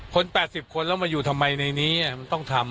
๘๐คนแล้วมาอยู่ทำไมในนี้มันต้องทำ